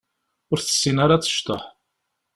Ur tessin ara ad tecḍeḥ.